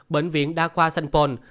bệnh viện đa khoa sanpon